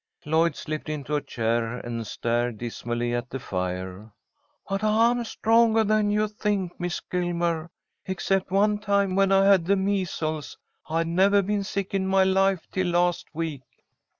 Lloyd slipped into a chair and stared dismally at the fire. "But I am strongah than you think, Miss Gilmer. Except one time when I had the measles, I'd never been sick in my life till last week.